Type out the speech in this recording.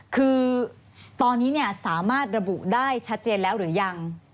คือตอนนี้สามารถระบุได้ชัดเจนแล้วหรือยัง